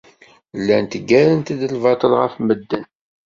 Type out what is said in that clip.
Llant ggarent-d lbaṭel ɣef medden.